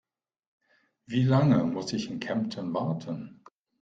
Wie lange muss ich in Kempten warten?